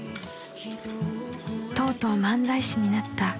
［とうとう漫才師になった］